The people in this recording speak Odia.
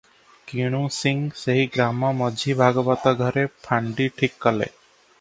କିଣୁ ସିଂ ସେହି ଗ୍ରାମ ମଝି ଭାଗବତ ଘରେ ଫାଣ୍ଡି ଠିକ କଲେ ।